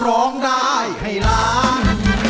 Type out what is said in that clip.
ร้องได้ให้ล้าน